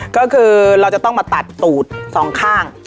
ก็คือเราจะต้องมาตัดตูดสองข้าง